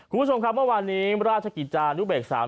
คุณผู้ชมครับเมื่อวานนี้ราชกิจจานุเบกษา